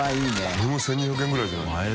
これも１２００円ぐらいじゃ？